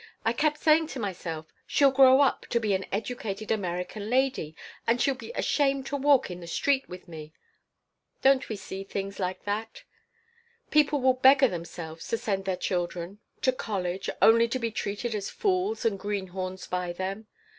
I kept saying to myself, 'She'll grow up and be an educated American lady and she'll be ashamed to walk in the street with me.' Don't we see things like that? People will beggar themselves to send their children to college, only to be treated as fools and greenhorns by them.